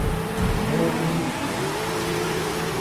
Molu.